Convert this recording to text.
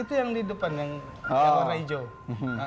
itu yang di depan yang warna hijau